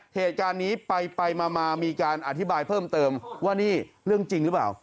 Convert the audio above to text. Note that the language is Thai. เหตุการณ์นี้ไปมามีการอธิบายเพิ่มเติมว่านี่เรื่องจริงหรือเปล่า